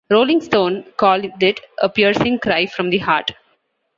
"Rolling Stone" called it "a piercing cry from the heart.